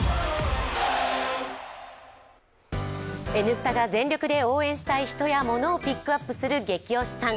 「Ｎスタ」が全力で応援したい人やモノをピックアップする「ゲキ推しさん」。